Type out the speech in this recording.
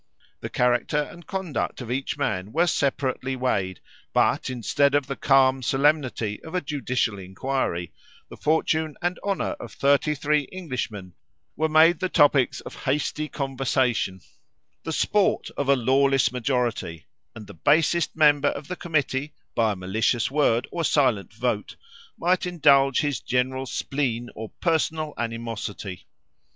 The character and conduct of each man were separately weighed; but, instead of the calm solemnity of a judicial inquiry, the fortune and honour of thirty three Englishmen were made the topics of hasty conversation, the sport of a lawless majority; and the basest member of the committee, by a malicious word or a silent vote, might indulge his general spleen or personal animosity.